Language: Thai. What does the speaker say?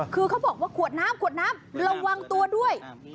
คือเขาบอกว่าขวดน้ำขวดน้ำระวังตัวด้วย